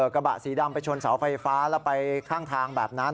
กระบะสีดำไปชนเสาไฟฟ้าแล้วไปข้างทางแบบนั้น